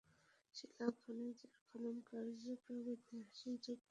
শিলা ও খনিজের খননকার্য প্রাগৈতিহাসিক যুগ থেকে হয়ে আসছে।